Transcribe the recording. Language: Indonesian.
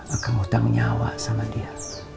akang muntah menyawa sama dia